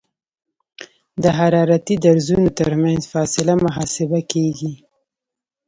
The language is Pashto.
د حرارتي درزونو ترمنځ فاصله محاسبه کیږي